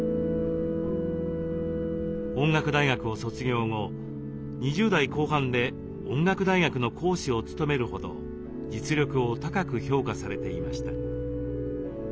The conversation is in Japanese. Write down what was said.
音楽大学を卒業後２０代後半で音楽大学の講師を務めるほど実力を高く評価されていました。